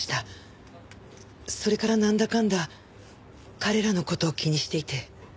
それからなんだかんだ彼らの事を気にしていて。